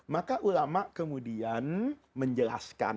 maka ulama' kemudian menjelaskan